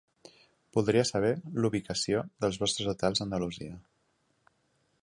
Voldria saber l'ubicació dels vostres hotels a Andalusia.